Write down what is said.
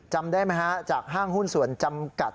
จำได้ไหมฮะจากห้างหุ้นส่วนจำกัด